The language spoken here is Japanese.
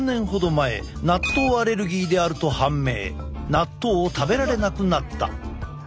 納豆を食べられなくなった。